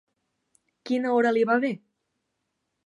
Quina hora li va bé?